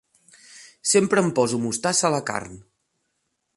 Sempre em poso mostassa a la carn.